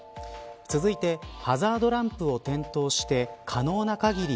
続いてハザードランプを点灯して可能な限り